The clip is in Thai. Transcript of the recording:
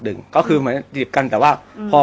พี่สุดยอดนี้ไม่ใช่ครับ